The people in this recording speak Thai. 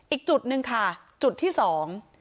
อีกจุดหนึ่งค่ะจุดที่สอง